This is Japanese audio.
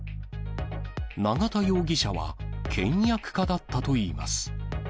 永田容疑者は倹約家だったといいます。